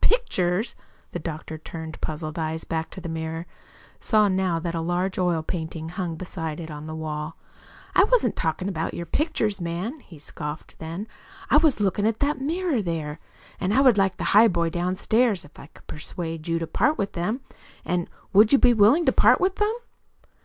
"Pictures!" The doctor, turning puzzled eyes back to the mirror, saw now that a large oil painting hung beside it on the wall. "I wasn't talking about your pictures, man," he scoffed then. "I was looking at that mirror there, and I'd like the highboy downstairs, if I could persuade you to part with them, and WOULD you be willing to part with them?"